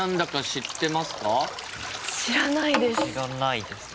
知らないです。